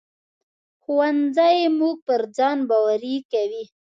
ښوونځی موږ پر ځان باوري کوي